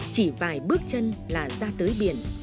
chỉ vài bước chân là ra tới biển